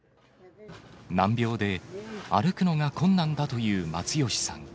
難病で、歩くのが困難だという松好さん。